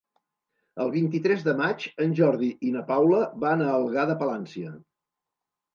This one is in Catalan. El vint-i-tres de maig en Jordi i na Paula van a Algar de Palància.